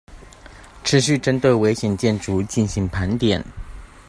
持續針對危險建築進行盤點